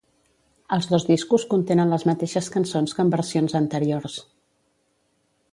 Els dos discos contenen les mateixes cançons que en versions anteriors.